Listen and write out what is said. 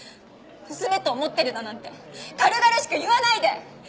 娘と思ってるだなんて軽々しく言わないで！